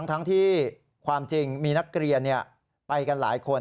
ทั้งที่ความจริงมีนักเรียนไปกันหลายคน